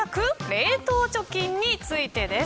冷凍貯金についてです。